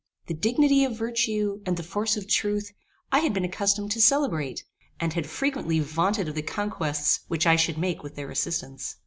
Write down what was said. The dignity of virtue, and the force of truth, I had been accustomed to celebrate; and had frequently vaunted of the conquests which I should make with their assistance.